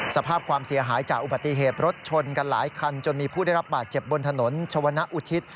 สภาพความเสียหายจากอุบัติเหตุรถชนกันหลายคันจนมีผู้ได้รับบาดเจ็บบนถนนชวนอุทิศ